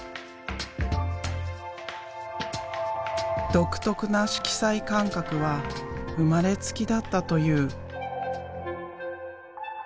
独特な色彩感覚は生まれつきだったという。